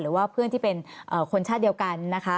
หรือว่าเพื่อนที่เป็นคนชาติเดียวกันนะคะ